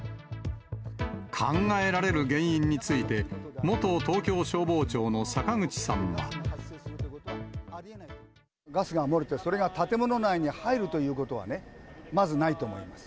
考えられる原因について、ガスが漏れて、それが建物内に入るということはね、まずないと思います。